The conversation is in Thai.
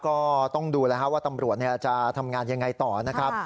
ก็ต้องดูแล้วว่าตำรวจจะทำงานยังไงต่อนะครับ